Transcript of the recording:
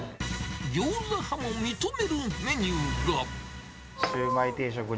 ギョーザ派も認めるメニューが。